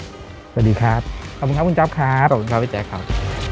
สวัสดีครับขอบคุณครับคุณจ๊อปครับ